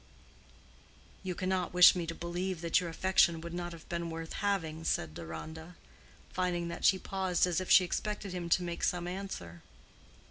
"You cannot wish me to believe that your affection would not have been worth having," said Deronda, finding that she paused as if she expected him to make some answer.